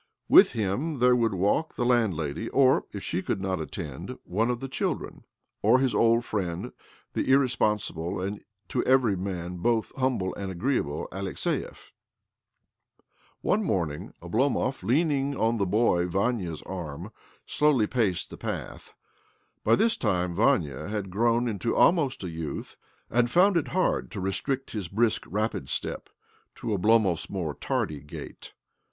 With him there would walk t landlady— or, if she could not attend, one the children, or his old friend, the irrespo sible and to every man both humble a agreeable Alexiev. One morning Oblom'c leaning on the boy Vania's arm, slowly рас the path. By this time Vania had groi into almost a youth, and found it hard restrict his brisk, rapid step to Oblomo more tardy gait.